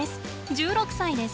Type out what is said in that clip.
１６歳です。